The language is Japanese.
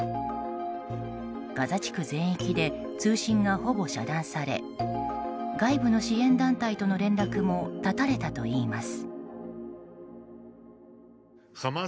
ガザ地区全域で通信がほぼ遮断され外部の支援団体との連絡も絶たれたといいます。